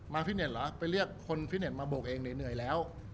ฟิตเน็ตเหรอไปเรียกคนฟิตเน็ตมาโบกเองเหนื่อยแล้ว